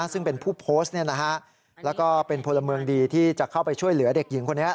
ซึ่งเป็นผู้โพสต์แล้วก็เป็นพลเมืองดีที่จะเข้าไปช่วยเหลือเด็กหญิงคนนี้